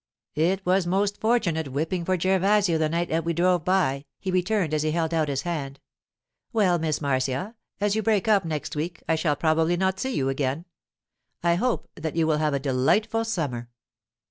'It was a most fortunate whipping for Gervasio the night that we drove by,' he returned as he held out his hand. 'Well, Miss Marcia, as you break up next week, I shall probably not see you again. I hope that you will have a delightful summer.